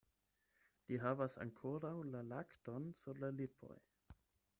Li havas ankoraŭ la lakton sur la lipoj.